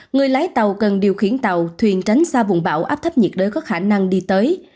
người lái tàu cần điều khiển tàu thuyền tránh xa vùng bão áp thấp nhiệt đới có khả năng đi tới